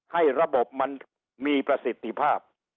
ให้ระบบมันมีประสิทธิภาพ